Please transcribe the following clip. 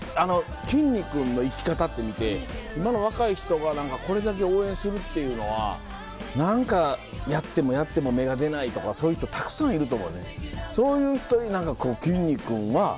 きんに君の生き方って見て今の若い人がこれだけ応援するっていうのは何かやってもやっても芽が出ないとかそういう人たくさんいると思うねん。